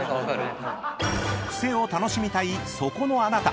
［癖を楽しみたいそこのあなた］